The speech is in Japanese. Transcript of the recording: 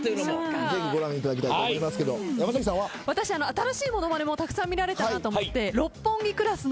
新しいモノマネもたくさん見られたなと思って。